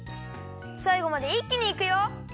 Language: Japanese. さいごまでいっきにいくよ！